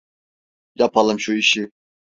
Yapalım şu işi.